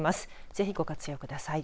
ぜひ、ご活用ください。